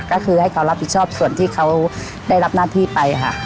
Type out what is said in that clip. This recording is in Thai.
ก็คือให้เขารับผิดชอบส่วนที่เขาได้รับหน้าที่ไปค่ะ